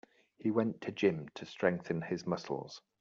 He went to gym to strengthen his muscles.